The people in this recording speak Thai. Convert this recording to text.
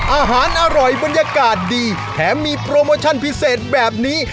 อาหารอร่อยบรรยากาศดีแถมมีโปรโมชั่นพิเศษแบบนี้